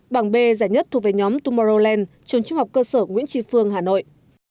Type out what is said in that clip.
bảng b giải nhất thuộc về nhóm tomorroland trường trung học cơ sở nguyễn tri phương hà nội